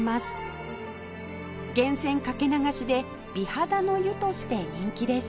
源泉掛け流しで美肌の湯として人気です